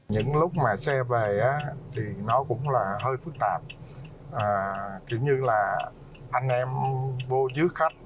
những lúc mà xe về thì nó cũng là hơi phức tạp kiểu như là anh em vô dưới khách